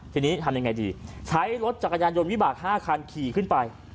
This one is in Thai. ทีนี้ทำยังไงดีใช้รถจักรยานยนต์วิบาก๕คันขี่ขึ้นไป